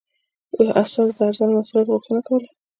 استازو د ارزانه محصولاتو غوښتنه کوله.